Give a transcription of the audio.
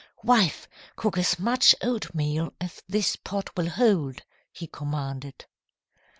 "'Wife, cook as much oatmeal as this pot will hold,' he commanded.